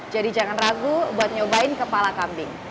jadi jangan ragu buat nyobain kepala kambing